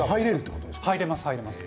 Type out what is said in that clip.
入れます、入れます。